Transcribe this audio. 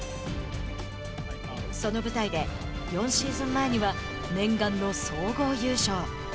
その舞台で、４シーズン前には念願の総合優勝。